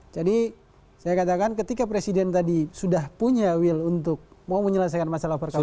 jadi saya katakan ketika presiden tadi sudah punya will untuk mau menyelesaikan masalah perkawinan